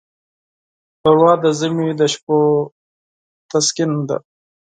ښوروا د ژمي د شپو تسکین ده.